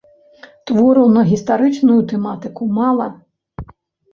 Твораў на гістарычную тэматыку мала.